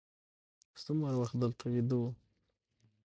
څومره وخت دلته ویده وو.